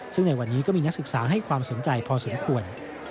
ซึ่งในวันนี้ก็มีนักศึกษาให้ความสนใจพอสมควร